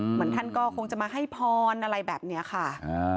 เหมือนท่านก็คงจะมาให้พรอะไรแบบนี้ค่ะ